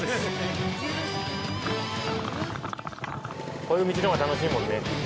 こういう道のほうが楽しいもんね。